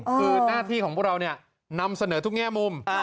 คือหน้าที่ของพวกเรานำเสนอทุกแง่มุม